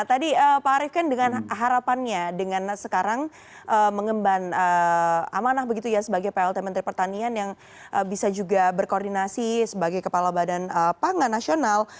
tadi pak arief kan dengan harapannya dengan sekarang mengemban amanah begitu ya sebagai plt menteri pertanian yang bisa juga berkoordinasi sebagai kepala badan pangan nasional